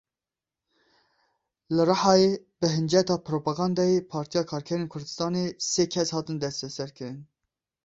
Li Rihayê bi hinceta propagandeya Partiya Karkerên Kurdistanê sê kes hatin desteserkirin.